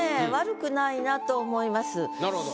なるほど。